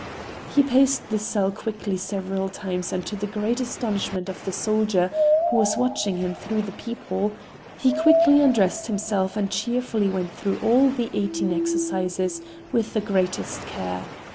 He paced the cell quickly several times and to the great astonishment of the soldier who was watching him through the peephole, he quickly undressed himself and cheerfully went through all the eighteen exercises with the greatest care.